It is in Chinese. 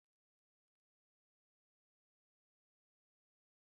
荷兰东印度公司和麻豆社签订的和平协约。